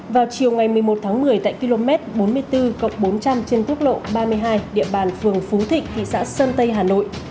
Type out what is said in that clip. vào chiều ngày một mươi một tháng một mươi tại km bốn mươi bốn bốn trăm linh trên quốc lộ ba mươi hai địa bàn phường phú thịnh thị xã sơn tây hà nội